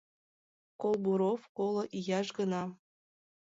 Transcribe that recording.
Колбуров коло ияш гына.